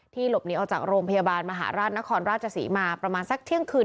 หลบหนีออกจากโรงพยาบาลมหาราชนครราชศรีมาประมาณสักเที่ยงคืน